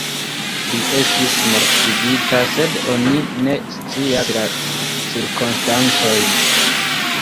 Li estis mortigita sed oni ne scias la cirkonstancojn.